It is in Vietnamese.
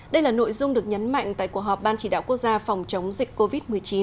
đây là nội dung được nhấn mạnh tại cuộc họp ban chỉ đạo quốc gia phòng chống dịch covid một mươi chín